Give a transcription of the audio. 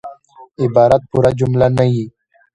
عبارت پوره جمله نه يي.